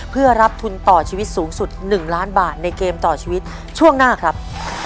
เพื่อรับทุนต่อชีวิตสูงสุด๑ล้านบาทในเกมต่อชีวิตช่วงหน้าครับ